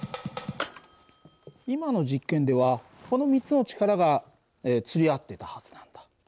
今の実験ではこの３つの力がつり合っていたはずなんだ。